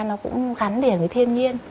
nó cũng gắn đến với thiên nhiên